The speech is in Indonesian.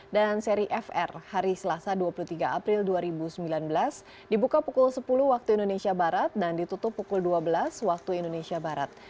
dan seri fr hari selasa dua puluh tiga april dua ribu sembilan belas dibuka pukul sepuluh waktu indonesia barat dan ditutup pukul dua belas waktu indonesia barat